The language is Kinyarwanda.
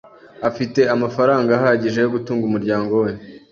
Afite amafaranga ahagije yo gutunga umuryango we .